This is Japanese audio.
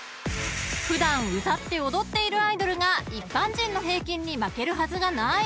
［普段歌って踊っているアイドルが一般人の平均に負けるはずがない］